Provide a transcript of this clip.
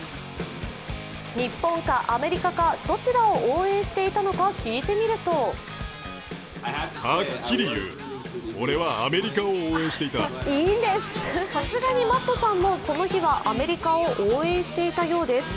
日本かアメリカかどちらを応援していたのか聞いてみるとさすがにマットさんもこの日はアメリカを応援していたようです。